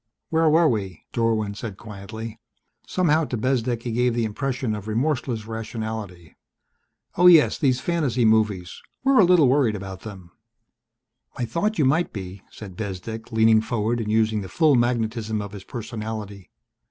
"Where were we?" Dorwin said quietly. Somehow to Bezdek he gave the impression of remorseless rationality. "Oh, yes, these fantasy movies we're a little worried about them." "I thought you might be," said Bezdek, leaning forward and using the full magnetism of his personality.